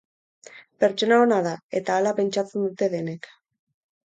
Pertsona ona da eta hala pentsatzen dute denek.